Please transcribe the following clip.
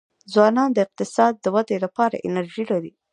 ځوانان د اقتصاد د ودي لپاره انرژي لري.